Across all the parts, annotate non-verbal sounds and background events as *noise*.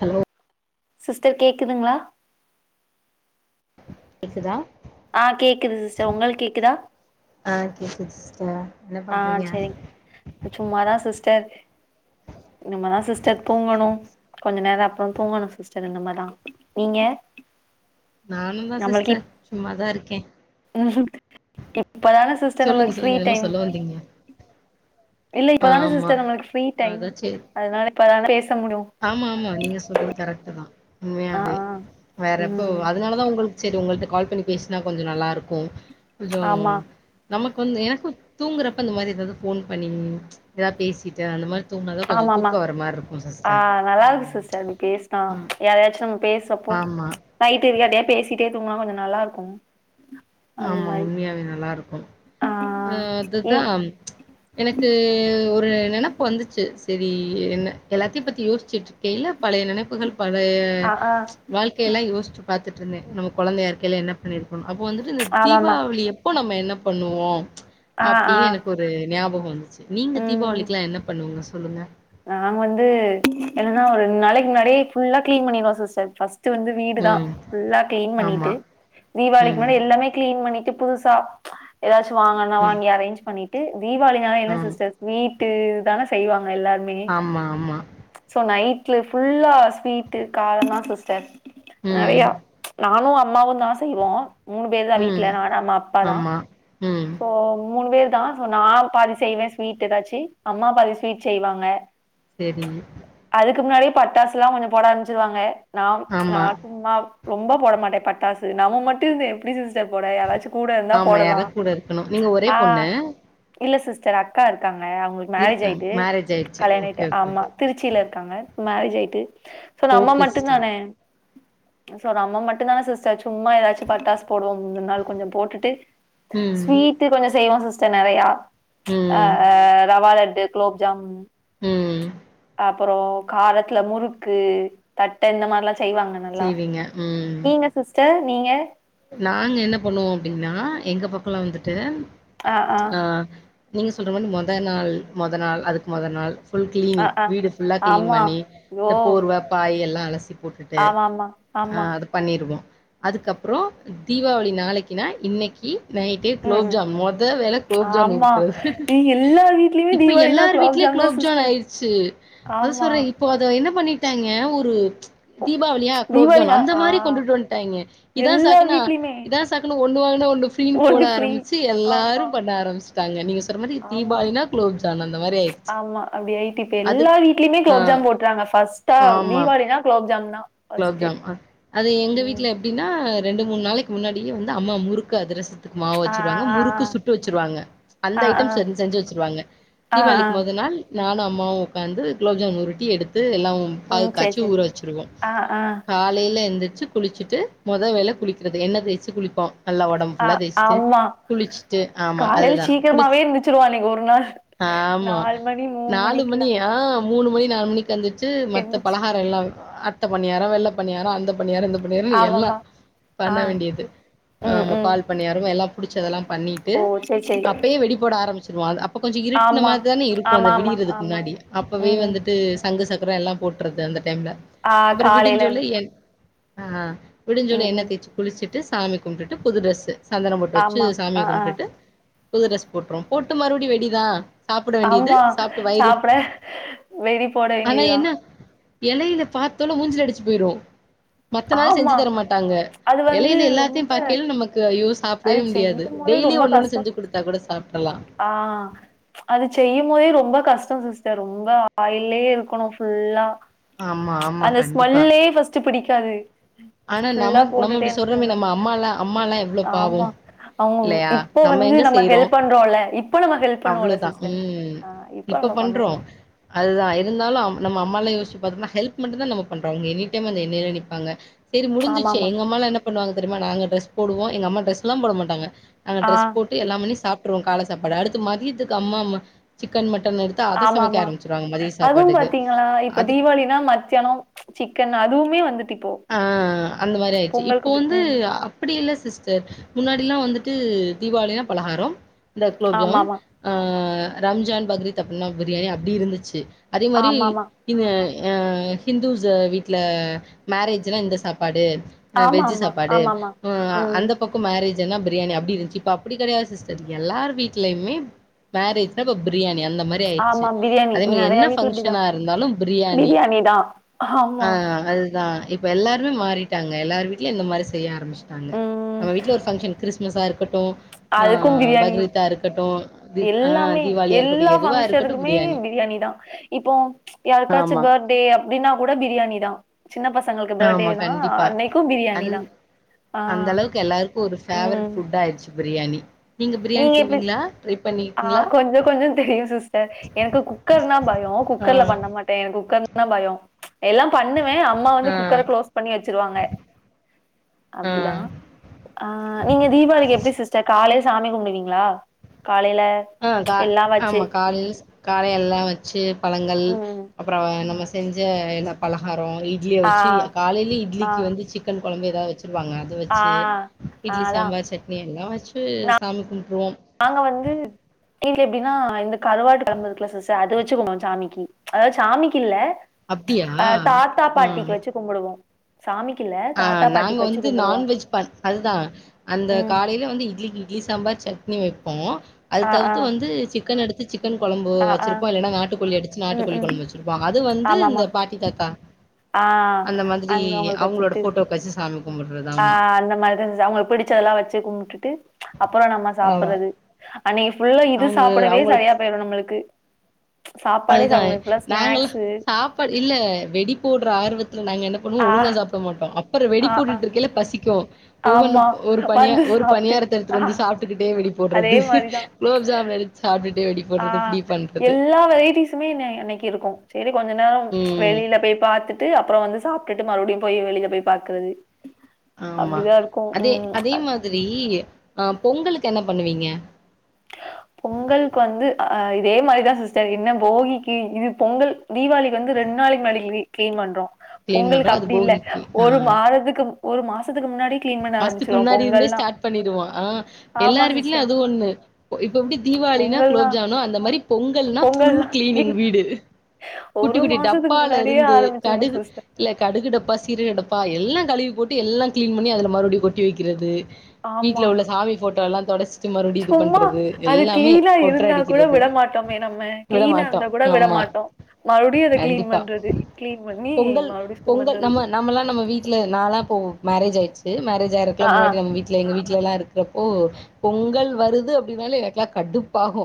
Hello sister கேக்குதுங்ளா? கேக்குதா? ஆ கேக்குது சிஸ்டர் உங்களுக் கேக்குதா ஆ கேக்குது சிஸ்டர். என்ன ஆ பண்றீங்க செரி சும்மாதா சிஸ்டர் இனிமேதா சிஸ்டர் தூங்கணு கொஞ்ச நேர அப்புற தூங்கணு சிஸ்டர் இந்தமாதா நீங்க நானுந்தா நம்மளுக்கு சிஸ்டர் இப் சும்மாதா இருக்கே இப்பதான சிஸ்டர் நமக்கு ஃப்ரீ டைம். வரிங்க இல்ல இப்பதானே சிஸ்டர் நம்மளுக்கு ஃப்ரீ டைம் அதா சேரி அதனால இப்பதா பேச முடியு ஆமா ஆமா நீங்க சொல்றது கரெக்டுதா ஆ உண்மையாவே ஆ வேற எப்போ ம் அதனாலதா உங்களுக்கு சேரி உங்கள்ட்ட கால் பண்ணி பேசினா கொஞ்ச நல்லா இருக்கு கொஞ்சோ ஆமா நமக்கு வந்து எனக்கு தூங்குறப்ப இந்த மாரி எதாவது ஃபோன் பண்ணி எதாவது பேசிட்டு அந்த மார் தூங்குனாதா கொஞ்ச தூக்க ஆமாமா வர மார்ருக்கு ஆ சிஸ்டர். நல்லா இருக்கு சிஸ்டர் இப்டி பேசுனா ம் யாரயாச்சு நம்ம பேச ஆமா நைட்டு் யாரிட்டையா பேசிட்டே தூங்னா கொஞ்ச நல்லா இருக்கு அந்த ஆமா மாரி உண்மையாவே நல்லாருக்கு ஆ இ அதுதா எனக்கு ஒரு நெனப்பு வந்துச்சு செரி என்ன எல்லாத்தையு பத்தி யோசிச்சுட்டு இருக்கையில பழைய நினப்புகள் பழைய ஆ ஆ வாழ்க்கையெல்லா யோசிச்சு பாத்துட்ருந்தே நம்ம கொழந்தையா இருக்கையில என்ன பண்ணிருக்கோணு அப்போ வந்துட்டு இந்த ஆமாமா தீபாவளி அப்போ நம்ம என்ன பண்ணுவோ ஆ அப்டி ஆ எனக்கு ஒரு ஞாபக வந்துச்சு நீங்க ம் தீபாவளிக்குல்லா என்ன பண்ணுவிங்க சொல்லுங்க. நாங்க வந்து என்னன்னா ஒரு ரெண்டு நாளைக்கு முன்னாடியே ஃபுல்லா கிளீன் பண்ணிருவோ சிஸ்டர் ஃபஸ்ட் வந்து வீடுதா ம். ஃபுல்லா க்ளீன் ஆமா. பண்ணிட்டு தீபாவளிக்கு ம். முன்னாடி எல்லாமே க்ளீன் பண்ணிட்டு புதுச சா ஏதாச்சு வாங்கனுனா ம். வாங்கி அரேஞ்ச் பண்ணிட்டு தீபாவளினாலே ஆ. என்ன சிஸ்டர் ஸ்வீட்டு இதுதான செய்வாங்க எல்லாரு ஆமா ஆமா சோ நைட்ல ஃபுல்லா ஸ்வீட்டு காரந்தா சிஸ்டர் ம். நெறையா நானு அம்மாவுந்தா செய்வோ மூணு பேர்தா ம். வீட்ல நானு அம்மா அப்பாதா ஆமா. ம் அ மூணு பேர் தா சோ நா பாதி செய்வே ஸ்வீட் எதாச்சு அம்மா பாதி ஸ்வீட் செய்வாங்க செரி அதுக்கு முன்னாடியே பட்டாசுலா கொஞ்ச போட ஆரம்பிச்சுருவாங்க நாம் நா ஆமா. சும்மா ரொம்ப போட மாட்ட பட்டாசு நம்ம மட்டு இருந்து எப்டி சிஸ்டர் போட யாராச்சு கூட இருந்தா ஆமா போடலா யாரா கூட நீங்க ஒரே ஆ பொண்ணு இல்ல சிஸ்டர் அக்கா இருக்காங்க அவுங்குளுக்கு இருக்காங்க மேரேஜாயிட்டு மேரேஜ் ஆயிடுச்சு ஓகே கல்யாணாயிட்டு ஓகே ஆமா ஓகே திருச்சில இருக்காங்க மேரேஜாயிட்டு சோ நம்ம ஓகே சிஸ்டர் மட்டுந்தான சோ நம்ம மட்டுந்தான சிஸ்டர் சும்மா எதாச்சு பட்டாசு போடுவோ முந்த நாள் கொஞ்ச போட்டுட்டு ம் ஸ்வீட்டு கொஞ்ச செய்வோ சிஸ்டர் நெறையா அ ம் ரவாலட்டு குலோப்ஜாம் ம் அப்பறோ காரத்துல முறுக்கு தட்ட இந்தமார்லா செய்வாங்க நல்லா செய்வீங்க ம் நீங்க சிஸ்டர் நீங்க நாங்க என்ன பண்ணுவோ அப்டின்னா எங்க பக்கல்லா வந்துட்டு ஆ ஆ அ நீங்க சொல்ற மாதிரி மொத நாள் மொத நாள் அதுக்கு மொத நாள் ஃபுல் ஆ கிளீனிங் ஆ வீடு ஃபுல்லா கிளீன் ஆமா பண்ணி இந்த ஓ போர்வ பாய் எல்லா அலசி போட் டுட்டு ஆமா ஆமா அ ஆமா அது பண்ணிருவோ அதுக்கப் றோ தீபாவளி நாளக்கின்னா இன்னக்கி நைட் டே ம் குலோப் ம் ஜாம் மொதே வேல குலோப்ஜான் ஆமா உருட்றது இ- எல்லார் வீட்லயுமே இப்ப தீபாவளினா எல்லார் வீட்லே குலோப்ஜாம் தா குளோப்ஜான் சிஸ்டர் ஆயிருச் சி அதா ஆமா சொல்ற இப் போ அத என்ன பண்ணிட்டாங்க ஒரு தீபாவளியா குளோப் ஜான் தீபாவளினா அந்த ஆ மாரி கொண்டுட்டு வன்ட்டாங்க இதான் எல்லார் சாக்குனா வீட்லயுமே இதான் சாக்குணு ஒன்னு வாங்குனா ஒன்னு ஃபி ரின் போட ஒண்ணு ஃப்ரீ ஆரம்மிச்சு ஆமா எல்லாரு பண்ண ஆரம்பிச்சிட்டாங்க நீங்க சொன்னமாரி ஆமா தீபாவளினா குளோப் ஜான் அந்த மாரி ஆயிர் ஆமா அப்டி ஆயிட்டு இப்ப எல்லா வீட்லயுமே ஆ குலோப்ஜாம் போட்றாங்க ஃபஸ்ட்டா தீபாவளினா குலோப்ஜாம் தா ஃபர்ஸ்ட்டு க்ளோப்ஜாம் அ அது எங்க ம் வீட்ல எப்டின்னா ரெண்டு மூணு நாளக்கி முன்னாடியே வந்து அம்மா முறுக்கு அதுரச த்துக்கு மாவு ஆ வச்சுருவாங்க ஆ முறுக்கு சுட்டு வச்சுருவாங்க அந்த ஆ ஆ ஐட்டம் செஞ் செஞ்சு வச்சுருவாங்க ஆ ஆ ஆ தீபாவளிக்கி மொத நாள் நானு அம்மாவு உக்காந்து குலோப் ஜாம் உருட்டி எடுத்து எல்லாம் அ செரி செரி அ அ காலையில எந்திரிச்சு குளிச்சுட்டு மொத வேல குளிக்கிறது எண்ண தேச்சு குளிப்போ நல்லா ஒடம் அ ஆம்மா ஆமா காலையில் அதுதா குளிச் சீக்கிரமாவே எந்துச்சுருவோ அன்னக்கி ஒரு நாள் ஆமா. நால் லு மணி மூணு மணிக்கிலா மூனு மணி நாலு மணிக்கெந்துச்சு மத்த பலஹாரெல்லா த்த பணியார வெள்ள பணியார அந்த பணியார இந்த பணியார எல்லா ஆமாமா ஆ பண்ண வேண்டியது ம் ஆமா ம் பால் பணியார எல்லா புடிச்சதெல்லா பண்ணிட்டு ஓ சேரி சேரி அப்பயே வெடி போட ஆரம்பிச்சிருவோ அத அப் ப கொஞ்ச இருட்ன ஆமா மார்தானே இருக்கு அந்த ஆமா ஆமா விடியிறதுக்கு ஆமா முன்னாடி அப்பவே ம் ம் வந்துட்டு சங்கு சக்கர எல்லா போட்றது அந்த டைம்ல ஆ அப்றோ காலைல விடுஞ்சோல எ அ விடிஞ்சோன ம் எண்ண ம் தேச்சு குளிச்சிட்டு சாமி கும்புட்டுட்டு புது டிரெஸ்ஸு சந்தனம் பொட்டு வச்சு ஆமா ஆ சாமிய ஆ கும்புட்டுட்டு புது டிரெஸ் போட்ருவம் போட்டு மறுமடி வெடிதா சாப்ட வேண்டியது ஆமா சாப்ட்டு வயிறு சாப்ட வெடி போட ஆனா வேண்டியதுதா என்ன எலையில பாத்தோனா மூஞ்சில அடிச்சி போயிரு மத்த நாள் செஞ்சு ஆமா தர மாட்டாங்க அது வந்து எலையில ரொம்ப எல்லாத்தையு பாக்கேயில நமக்கு ஐயோ சாப்டவே அது முடியாது செய்யும் போதே டெய்லியு ரொம்ப ஒன்னு ஒன்னு கஷ்டம் செஞ்சு குடுத்தா கூட சாப்டலா ஆ அது செய்யு போதே ரொம்ப கஷ்டம் சிஸ்டர் ரொம்ப ஆயில்லே இருக்கணு ஃபுல்லா ஆமா ஆமா அந்த கண்டிப்பா ஸ்மெல்லே ஃபர்ஸ்ட் பிடிக்காது ஆனா ஃபுல்லா நமக் நம்ம போட்டுட்டே இப்டி சொல்றோமே இருக்கபோல நம்ம அம்மாலா அம்மாலா எவ்ளோ பாவோ ஆமா அவங்க இல்லையா இப் போ வந்து எங்க நம்ம செய்றோ ஹெல்ப் பண்றோல்ல இப்ப நம்ம ஹெல்ப் பண்ணுவோல அவ்ளோதான். சிஸ்டர் ஆ இப்ப நம்ம பண்ணுவோல அதுதா இருந்தாலு நம்ம அம்மால யோசிச்சி பாத்தோம்னா ஹெல்ப் மட்டு தா நம்ம பண்றோ அவங்க எனிடைம் அந்த எண்ணெய்லே நிப்பாங்க செரி ஆமா முடிஞ்சிச்சி ஆமா எங்கம்மாலா என்ன பண்ணுவாங்க தெரிமா நாங்க டிரெஸ் போடுவோ எங்கம்மா டிரெஸ்லா போட மாட்டாங்க நாங்க ட்ரெஸ் ஆ போட்டு எல்லா பண்ணி சாப்ட்ருவோ கால சாப்பாட அடுத்து மதியத்துக்கு அம்மா சிக்கன் மட்டன் எடுத் து அத சமைக்க ஆமாமா. ஆரம்பிச்சிடுவாங்க மதிய சாப்பாடுக்கு அது தா மத்தியானோ சிக்கன் அதுவுமே வந்துட்டு இப்போ ஆ அந்த மாரி ஆயிடுச்சு இப்போ பொங்கலுக்கு அப்டி வந்து ம். அப்டி இல்ல சிஸ்டர் முன்னாடி எல்லா வந்துட்டு தீபாளினா பலகாரம் இந்த குளோப் ஜாம் ஆமாமா, ஆ ரம்ஜான் பக்ரித் அப்புனா பிரியாணி அப்டி இருந்துச்சு அதே மாரி ஆமாமா, இ ஆ ஹிந்துஸ் வீட்ல மேரேஜ்னா இந்த சாப்பாடு ஆ வெஜ் ஆமாமா, சாப்பாடு ஆமாமா. ஆ ம். அந்த பக் கொ மேரேஜ்னா பிரியாணி அப்டி இருந்துச்சு இப்ப அப்டி கெடையாது சிஸ்டர் எல்லார் வீட்லயுமே மேரேஜ்னா இப்ப பிரியாணி அந்த மாரி இதாயிடுச்சு ஆமா பிரியாணி. அதே மாரி என்ன நெறையா வீட்ல ஃபங்கஷனா இப்டிதான். இருந்தாலு பிரியாணி ஆ ஆமா. அது தா இப்ப எல்லாருமே மாறிட்டாங்க எல்லார் வீட்லயு அந்த மாரி செய்ய ஆரம்பிச் டாங்க ம். நம்ம வீட்ல ஒரு ஃபங்க்ஷன் கிறிஸ்மஸா இருக்கட்டு அதுக்கு பிரியாணி தி ஆ எல்லாமே தீபாவளியா இருக்கட்டும், எல்லா எதுவா இருக்கட்டும் ஃபங்க்ஷனுக்குமே பிரியாணி தா இப்போ யாருக்காச்சும் ஆமா. பேர்த்டே அப்டின்னா கூட பிரியாணி தா சின்ன பசங்களுக்கு பேர்டே ஆமா னா அன்னைக்கு பிரியாணி தா அந்தளவுக்கு எல்லாருக்கு ஒரு ஃபேவரட் ம். புட் ஆயிடுச்சு பிரியாணி நீங்க பிரியாணி செய்வீங்ளா ஆ கொஞ்ச கொஞ்ச தெரியு சிஸ்டர் எனக்கு குக்கர்னா பயோ ஆ. குக்கர்ல பண்ண மாட் டே குக்கர்னா பயோ எல்லா பண்ணுவே அம்மா வந்து ஆ, குக்கர குளோஸ் பண்ணி வச்சிருவாங்க அப்டிதா ஆ. ஆ நீங்க தீபாவளிக்கு எப்டி சிஸ்டர் காலையில சாமி கும்பிடுவீங்ளா காலேயில ஆ கா ஆமா காலேல காலையெல்லா வச்சு பழங்கள் ம் அப்றோ நம்ம செஞ்ச எல்லா பலகாரோ ஆ இட்லியவிச்சி காலேலே ஆ இட்லிக்கு வந்து சிக்கன் கொழம்பு எதாவது வச்சுருவாங்க அத ஆ வச்சு ஆ இட்லி அதா சாம்பார் சட்னி எல்லா வச்சு சாமி கும்ப்ட்ருவோ நாங்க வந்து வீட்ல எப்டின்னா இந்த கருவாட்டு கொழம்பு இருக்குல்ல சிஸ்டர் அத வச்சு கும்புடுவோ ச்சாமிக்கு அதாவது ச்சாமிக்கு இல்ல அப்டியா அ தாத்தா ஆ பாட்டிக்கு வச்சு கும்புடுவோ சாமிக்கு இல்ல ஆ தாத்தா நாங்க பாட்டிக்கு வச்சு வந்து கும்புடுவோ நான்வெஜ் ப அதுதா அந்த ம் காலையில வந்து இட்லிக்கு இட்லி சாம்பார் சட்னி வெப்போ அது ஆ ஆ தவித்து வந்து சிக்கன் எடுத்து சிக்கன் கொழம்பு ஆ ஆ வச்சிருப்போ இல்லன்னா நாட்டுக்கோழி அடிச் நாட்டு ம் கோழி ம் கொழம்பு வச்சிருப்போ அது வந்து இந்த ஆமாமா பாட்டி தாத்தா ஆ அந்த மாதிரி அவங்களுக்கு அவங்களோட வச்சுட்டு போட்டோக் வச்சு சாமி கும்பிடுறது ஆ ஆமா அந்த மாதிரி அவங்களுக் பிடிச்சதெல்லா வச்சு கும்ட்டுட்டு அப்பறோ நம்ம ஆமா சாப்புட்றது அன்னைக்கு ஃபுல்லா இது அவங்க சாப்டவே அவங்களுக்கு சரியா போயிடரு நம்மளுக்கு சாப்பாடே சாப்ட முடியாது ஃபுல்லா ஸ்நாக்ஸு ப்பாடு இல்ல வெடி போட்ற ஆர்வத்துல நாங்க என்ன பண்ணுவோ ஆ ஒழுங்கா சாப்ட மாட்டோ அ ப்ற வெடி ஆ ஆ போட்டுட்ருக்கைல பசிக்கு ஒவ்வொன்னு ஆமா. ஒரு பணியா வந்து ஒரு சாப்ட்டு பணியாரத்த ஆ எடுத்துட்டு வந்து சா ப்ட்டுக்கிட்டே வெடி அதே போடுறது மாரிதான். குலோப்ஜாம் எடுத் சாப்ட்டுட்டே வெடி ஆ போடுறது இப்டி பண்றது எல்லா வெரைட்டீஸுமே இன்ன அன்னைக்கி இருக்கு சேரி கொஞ்ச நேரோ ம் வெளில போய் பாத்துட்டு அ ப்றோ வந்து சாப்ட்டுட்டு மறுபடியு போயி வெளில போய் பாக்குறது அப்டிதா இருக்கு ம் அ செரி ஆ பொங்கலுக்கு என்ன பண்ணுவீங்க பொங்கல்க்கு வந்து அ ஆ இதே மாரிதா சிஸ்டர் என்ன போகிக்கி இது பொங்கல் தீவாளிக்கு வந்து ரெண்டு நாளைக்கி முன்னாடி *unintelligible* கிளீன் பண்றோ கிளீன் பொங்கலுக்கு பண்றோ அது அப்பிடி இல்ல போகிக்கு ஒரு ஆ மாதத்துக்கு ஒரு மாசத்துக்கு முன்னாடி க்ளீன் பண்ண மாசத்துக்கு ஆரம்பிச்சுருவோம் முன்னாடி இருந்தே பொங்கல்னா. ஸ்டார்ட் பண்ணிடுவோ ஆ ஆமா எல்லார் வீட்லயு சிஸ்டர். அது ஒண்ணு பொ இப்ப எப்டி தீவாளினா பொங்கல்னா குலோப்ஜானோ அந்த மாரி பொங்கல்னா ஃபுல் கிளீனிங் வீடு குட்டி ஒரு குட்டி மாசத்துக்கு டப்பால முன்னாடியே இருந்து ஆரம்பிச்சிருவோ கடுகு சிஸ்டர் இல்ல கடுகு டப்பா சீரக டப்பா எல்லா கழுவி போட்டு எல்லா கிளீன் பண்ணி அதுல மறுபடியு கொட்டி வைக்கிறது வீட்ல ஆமா உள்ள சாமி ஃபோட்டோ எல்லா தொடச்சிட்டு மறுபடி இது சும்மா பண்றது அது எல்லாமே கிளீனா ஒட்ர இருந்தா அடி கூட விடமாட்டோமே நம்ம க்ளீனா இருந்தா கூட ஆமா விடமாட்டோ மறுபடியு அத கிளீன் கண்டிப்பா பண்றது கிளீன் பண்ணி பொங்கல் மறுபடியு சுத்தம் பொங்கல் பண்றது நம்ம நம்மல்லா நம்ம வீட்ல நால்லா அப்போ மேரேஜ் ஆயிருச்சு மேரேஜ் ஆ ஆகுறதுக்குலா ஆ முன்னாடி நம்ம வீட் ல எங்க வீட்ல எல்லா இருக்குறப்போ பொங்கல் வருது அப்டின்னாலே எனக்கெல்லா கடுப்பாகு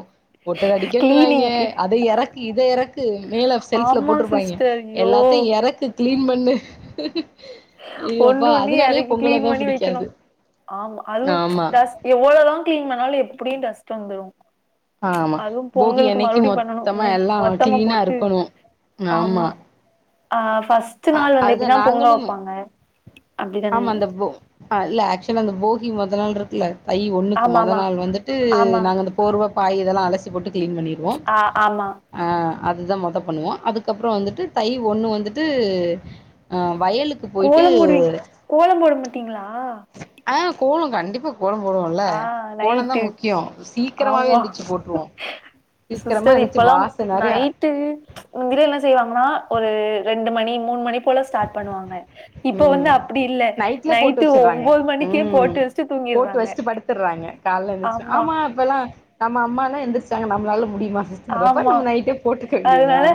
ஒட்டட அடிக்கணுனுவாய்ங்க கிளீனிங்க்கு அத எறக்கு இத எறக்கு மேல செல்ஃப்ல ஆமா போட்ருப்பாய்ங்க சிஸ்டர் ஐயோ எல்லாத்தையு எறக்கு கிளீன் பண்ணு ஐயோ ஒண்ணு அப்பா ஒண்ணையு அதுனாலயே எறக்கி கிளீன் பண்ணி வைக்கணு ஆமா அதுவு ஆமாம் டஸ் எவ்வளவுதா கிளீன் பண்ணாலு எப்புடியு டஸ்ட் வந்துரு ஆமா அதுவு போகி பொங்கலுக்கு அன்னைக்கி மறுபடியு பண்ணணு மொத்தமா ம் எல்லா மொத்தமா கிளீனா போட்டு இருக்கணு ஆமா ஆ ஃபஸ்ட்டு நாள் வந்து எப்டின்னா பொங்க நாங்களும் வப்பாங்க அப்டிதானே ஆமா அந்த போ ஆ இல்ல ஆக்சுவலா அந்த போகி மொத நாள் இருக்குல்ல தை ஒன்னுக்கு ஆமா மொத ஆமா நாள் வந்துட்டு ஆமா நாங்க அந்த போர்வ பாய் இதெல்லா அலசி போட்டு கிளீன் பண்ணி ஆ ஆமா ஆ அதுதா மொத பண்ணுவோ அதுக்கப்றோ வந்துட்டு தை ஒண்ணு வந்துட்டு ஆ வயலு கோலம் போடுவீங் கோலம் போட மாட்டீங்களா ஆ கோலங் கண்டிப்பா கோலம் போடுவோல்ல ஆ கோலந்தா நைட்டு முக்கியோ சீக்கரமாவே ஆமா எந்திருச்சு போட்ருவோ சீக்கிரமா எந்திருச்சு வாச நெறைய ட்டு முந்திலா என்ன செய்வாங்கன்னா ஒரு ரெண்டு மணி மூணு மணி போல ஸ்டார்ட் பண்ணுவாங்க இப்ப ம் வந்து அப்பிடி இல்ல நைட்ல போட்டு நைட்டு வச்சறாங்க ஒம்போது மணிக்கே ம் போட்டு வச்ட்டு தூங்கி போட்டு வச்சிட்டு படுத்தர்றாங்க கால்ல எந்திருச்சு ஆமா அப்பல்லா நம்ம அம்மாலா எந்திருச்சாங்க நம்மளால முடியுமா சேரி அப்ப ஆமா நம்ம நைட்டே போட்டுக்க வேண்டியதுதா அதனால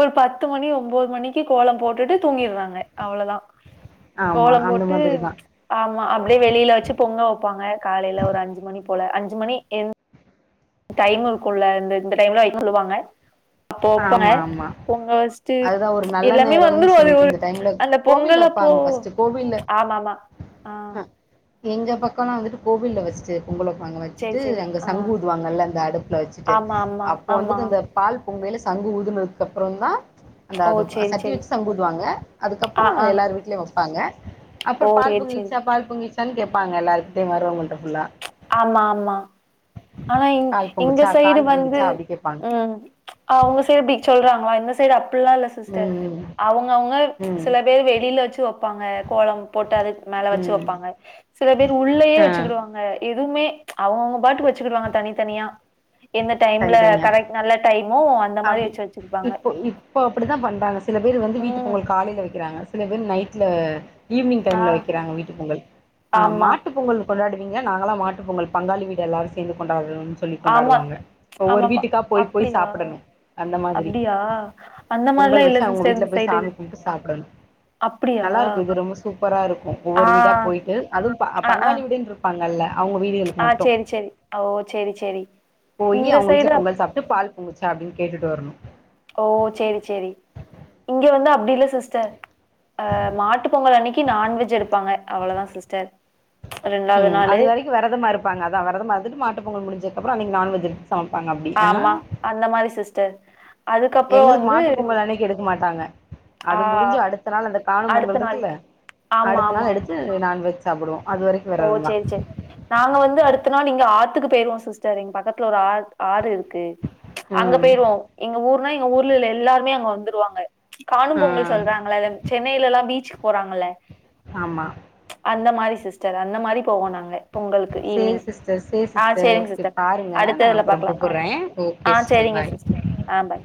ஒரு பத்து மணி ஒம்போது மணிக்கி கோலம் போட்டுட்டு தூங்கிர்றாங்க அவ்ளதா ஆமா கோலம் அந்த போட்டு மாதிரிதா ஆமா அப்டியே வெளில வச்சு பொங்க வப்பாங்க காலைல ஒரு அஞ்சு மணி போல அஞ்சு மணி எந் டைமு இருக்குல்ல இந்த இந்த டைம்லதா வைக்கணுன்னு சொல்லுவாங்க அப்போ வைப்பாங்க ஆமா ஆமா பொங்க வச்சுட்டு அதுதா ஒரு நல்ல எல்லாமே நேரம்னு வந்துரு அது சொல்லிட்டு ஒரு இந்த டைம்ல கோவில்ல வப்பாங்க ஃபஸ்ட்டு கோவில்ல ஆமாமா ஆ எங்க பக்கோலா வந்துட்டு கோவில்ல வச்சுட்டு பொங்கல் வப்பாங்க சேரி வச்சுட்டு சேரி அங்க ஆ சங்கு ஊதுவாங்கல்ல அந்த அடுப்புல வச்சுட்டு ஆமா ஆமா அப்போ ஆமா வந்துட்டு அந்த பால் பொங்கையில சங்கு ஊதுனதுக்கு அப்புறோ தா அந்த ஓ அது சேரி சட்டிய சேரி வச்சு சங்கு ஊதுவாங்க ஆ அதுக்கப்புறோ ஆ எல்லாரு வீட்லயு வப்பாங்க அப்புறோ ஓ பால் சேரி சேரி பொங்கிடுச்சா பால் பொங்கிடுச்சான்னு கேப்பாங்க எல்லாருகிட்டயு வர வங்கள்ட்ட ஃபுல்லா ஆமா ஆமா ஆனா இங் கால் எங்க பொங்குச்சா சைடு கால் வந்து வீங்குச்சா அப்படி கேட்பாங்க ம் ஆ உங்க சைடு இப்டி சொல்றாங்கள இந்த சைடு அப்புல்லா இல்ல சிஸ்டர் ம் அவங்க அவங்க ம் ம் சில பேர் வெளில வச்சு வப் பாங்க கோலம் போட்டு அதுக் மேல வச்சு ம் வைப்பாங்க சில பேரு உள்ளயே ஆ வச்சுக்கிடுவாங்க எதுவுமே அவுங்கவுங்க பாட்டுக்கு வச்சுக்கிடுவாங்க தனித்தனியா எங்க டைம்ல தனித்தனியா கரெக்ட் நல்ல டைமோ அந்த மாரி அப்டி வச்சு வச்சிருப்பாங்க இப்போ இப்போ அப்டித்தா பண்றாங்க சில பேரு வந்து வீட்டுக்கு ம். பொங்கள் காலயில வைக்கிறாங்க சில பேர் நைட்ல ஈவினிங் ஆ டைம்ல வைக்கிறாங்க வீட்டு பொங்கள் ஆ ஆமா. மாட்டு பொங்கள் கொண்டாடுவீங்க நாங்களா மாட்டுப் பொங்கல் பங்காளி வீடு எல்லாரு சேந்து கொண்டாடுன்னு சொல்லி ஆமா. கொண்டாடுவாங்க ஒவ்வொரு ஆமாப்பா. வீட்டுக்கா போய் போய் அப்டியா? சாப்பிடணு அந்த மாரி அப்டியா? அந்த மாரிலா பொங்கல் இல்ல வச்சா அவங்க சிஸ்டர் வீட்டுல இந்த போய் சைடு. சாமி போய்ட்டு சாப்டணு அப்டியா நல்லாருக்கு இது ரொம்ப சூப்பராருக்கு ஆ ஒவ்வொரு வீடா போய்ட்டு அதுவு ஆ ஆ பங்காளி வீடுனு இருக் பாங்கல்லா அவங்க வீடு ஆ சேரி சேரி ஓ சேரி சேரி போயி இந்த அவுங்க வீட்டுல சைடு அப் பொங்கல் சாப்ட்டு பால் பொங்குச்சா அப்டின்னு கேட்டுட்டு வரணு ஓ சேரி சேரி இங்க வந்து அப்டி இல்ல சிஸ்டர் அ மாட்டு பொங்கல் அன்னக்கி நான்வெஜ் எடுப்பாங்க அவ்ளோதா சிஸ்டர் ரெண்டாவது ம் நாளு அது வரைக்கு விரதமா இருப்பாங்க அதா விரதமா இருந்துட்டு மாட்டு பொங்கல் முடிஞ்சதுப்புற அன்னக்கி நான்வெஜ் எடுத்து சமப்பாங்க அப்டி ஆமா அந்த மாரி சிஸ்டர் அதுக்கப்றோ எங்களுக்கு வந்து மாட்டு பொங்கல் அன்னைக்கு எடுக்க மாட்டாங்க ஆ அது முடிஞ்சு அடுத்த நாள் அந்த காணு பொங்கல் அடுத்த நாள் இருக்குல ஆமா அடுத்த நாள் ஆமா எடுத் து நான்வெஜ் சாப்டுவோ அதுவரைக் ஓ சேரி சேரி நாங்க வந்து அடுத்த நாள் இங்க ஆத்துக்கு போயிருவோ சிஸ்டர் எங்க பக்கத்துல ஒரு ஆ ஆறு இருக் இருக்கு அங்க ம். போயிருவோ எங்க ஊர்ன்னா எங்க ஊர்ல உள்ள எல்லாருமே அங்க வந்துருவாங்க காணு ஆ. பொங்கல் சொல்றாங்கள அது அந்த சென்னையிலல்லா பீச்சுக்கு போறாங்கள ஆமா அந்த மாரி சிஸ்டர் அந்த மாரி போவோ நாங்க பொங்கல் சரி ஈவினிங் சிஸ்டர், சரி ஆ சிஸ்டர். சேரிங்க ஓகே சிஸ்டர் பாருங்க. நான் அடுத்ததுல அப்புறம் பாக்கலா கூப்பிடுறேன். ஓகே ஆ சேரிங்க பாய். சிஸ்டர் ஆ பாய்